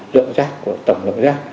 lượng rác của tổng lượng rác